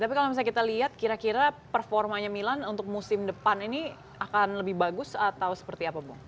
tapi kalau misalnya kita lihat kira kira performanya milan untuk musim depan ini akan lebih bagus atau seperti apa bu